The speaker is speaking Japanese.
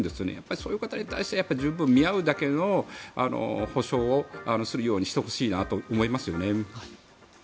そういう方に対して十分、見合うだけの保障をするようにしてほしいと思いますよね。